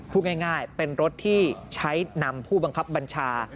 พูดง่ายเป็นรถที่ใช้นำผู้บังคับบัญชา